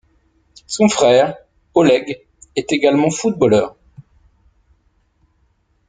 Son frère, Oleg, est également footballeur.